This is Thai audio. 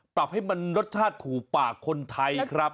ปรับให้มันรสชาติถูกปากคนไทยครับ